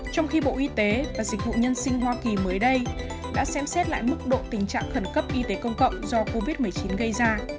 trong khi bộ y tế và dịch vụ nhân sinh hoa kỳ mới đây đã xem xét lại mức độ tình trạng khẩn cấp y tế công cộng do covid một mươi chín gây ra